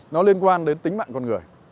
nó liên quan đến tính mạng con người